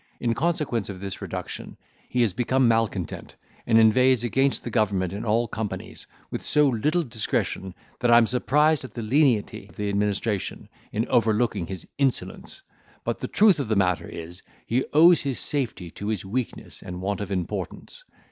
In consequence of this reduction, he is become malcontent, and inveighs against the government in all companies, with so little discretion, that I am surprised at the lenity of the administration, in overlooking his insolence, but the truth of the matter is, he owes his safety to his weakness and want of importance.